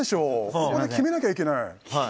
そこで決めなきゃいけない。